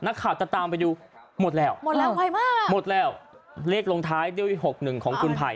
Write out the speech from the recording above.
นักขับจะตามไปดูหมดแล้วหมดแล้วไวมากหมดแล้วเลขลงท้ายด้วย๖๑ของคุณภัยน่ะ